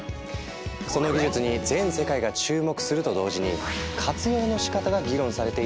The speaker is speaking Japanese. その技術に全世界が注目すると同時に活用のしかたが議論されているドローン。